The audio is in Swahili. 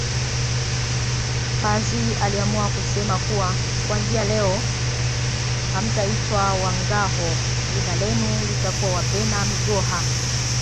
Pazi aliamua kusema kuwa kuanzia leo hamtaitwa Wangâhoo jina lenu litakuwa Wabena migoha